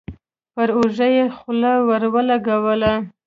پر اوږه يې خوله ور ولګوله.